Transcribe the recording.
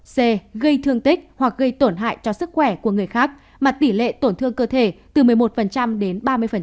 c gây thương tích hoặc gây tổn hại cho sức khỏe của người khác mà tỷ lệ tổn thương cơ thể từ một mươi một đến ba mươi